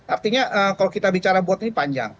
artinya kalau kita bicara bot ini panjang